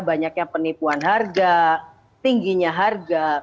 banyaknya penipuan harga tingginya harga